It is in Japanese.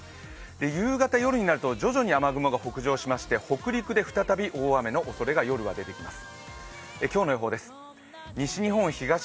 夕方、夜になると徐々に雨雲が北上しまして北陸で再び大雨のおそれが夜は出てきます。